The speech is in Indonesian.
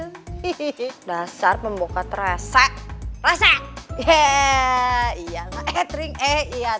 ih dasar pembokat resek resek iya iya iya